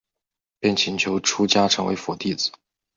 便请求出家成为佛弟子。